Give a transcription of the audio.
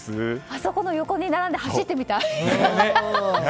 あそこの横に並んで走ってみたい！